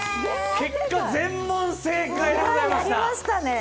結果、全問正解でございました。